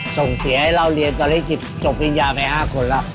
ส่งเสียให้เราเรียนตัวลิขิตจบวิญญาณไป๕คนแล้ว